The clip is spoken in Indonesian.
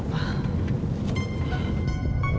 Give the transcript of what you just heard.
aku pusing aja kok pa